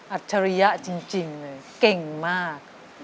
ฉริยะจริงเลยเก่งมาก